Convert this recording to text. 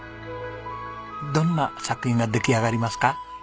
どんな作品が出来上がりますか？